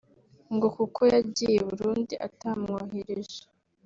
ngo kuko yagiye i Burundi atamwohereje